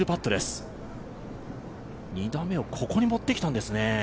２打目をここに持ってきたんですね